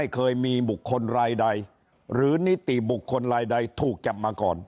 เคยมีบุคคลรายใดหรือนิติบุคคลรายใดถูกจับมาก่อน